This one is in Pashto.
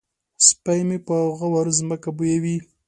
سپی مې په غور ځمکه بویوي.